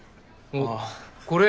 おっこれ！